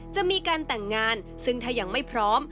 จะมีการแต่งงานซึ่งถ้ายังไม่พร้อม